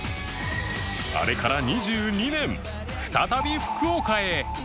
あれから２２年再び福岡へ